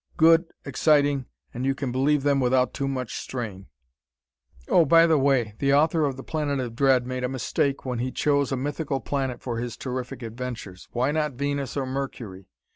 Good, exciting, and you can believe them without too much strain. Oh, by the way, the author of "The Planet of Dread" made a mistake when he chose a mythical planet for his terrific adventures. Why not Venus or Mercury?